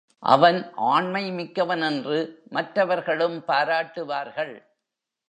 அவன் ஆண்மை மிக்கவன் என்று மற்றவர்களும் பாராட்டுவார்கள்.